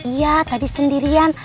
iya tadi sendirian